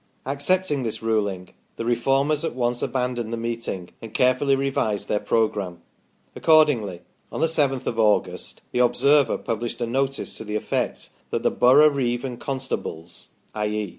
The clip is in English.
Accepting this ruling, the Reformers at once abandoned the meeting and carefully revised their programme. Accordingly, on the 7th of August, the " Observer " published a notice to the effect that the Boroughreeve and Constables [i.e.